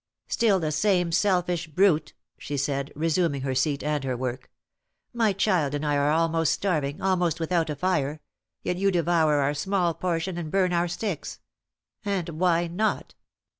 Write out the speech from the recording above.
"Still the same selfish brute," she said, resuming her seat and her work. "My child and I are almost starving, almost without a fire; yet you devour our small portion and burn our sticks. And why not?